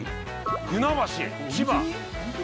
船橋千葉。